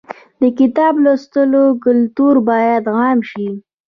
د کتاب لوستلو کلتور باید عام شي.